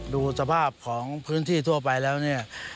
ดูสภาพของพื้นที่ทั่วไปแล้วเนี่ย